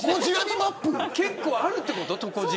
結構あるっていうこと。